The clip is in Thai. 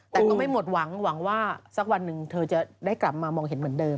แต่ก็ไม่หมดหวังหวังว่าสักวันหนึ่งเธอจะได้กลับมามองเห็นเหมือนเดิม